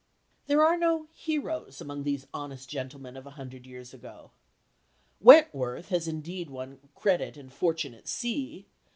There are no "heroes" among these honest gentlemen of a hundred years ago. Wentworth has indeed won credit and fortune at sea.